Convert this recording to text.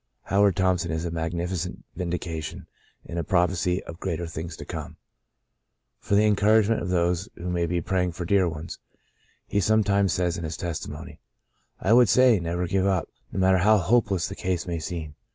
Howard Thompson is a magnificent vindication, and a prophecy of greater things to come. "For the encouragement of those who may be praying for dear ones," he some times says in his testimony, " I would say, * Never give up,' no matter how hopeless the case may seem.